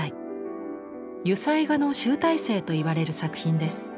油彩画の集大成といわれる作品です。